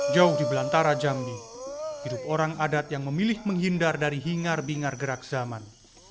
jauh di belantara jambi hidup orang adat yang memilih menghindar dari hingar bingar gerak zaman